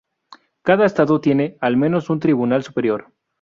Cada Estado tiene, al menos, un Tribunal Superior.